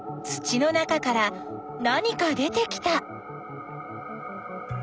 土の中から何か出てきた。